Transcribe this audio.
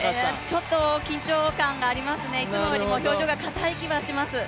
ちょっと緊張感がありますね、いつもよりは表情がかたい気がします。